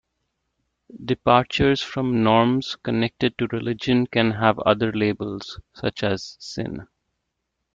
Departures from norms connected to religion can have other labels, such as sin.